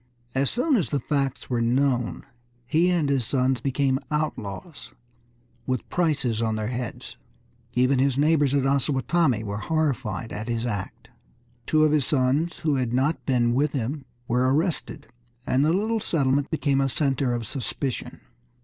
As soon as the facts were known he and his sons became outlaws with prices on their heads. Even his neighbors at Osawatomie were horrified at his act. Two of his sons who had not been with him were arrested, and the little settlement became a center of suspicion.